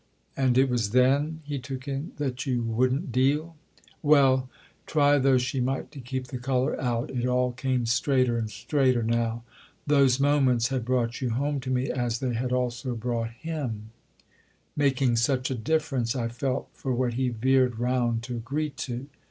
"And it was then," he took in, "that you wouldn't deal?" "Well"—try though she might to keep the colour out, it all came straighter and straighter now—"those moments had brought you home to me as they had also brought him; making such a difference, I felt, for what he veered round to agree to."